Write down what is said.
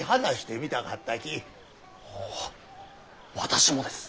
おぉ私もです。